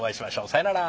さよなら。